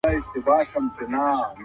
شکر ویستل نعمت زیاتوي.